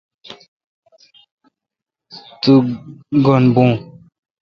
تو گین بھو۔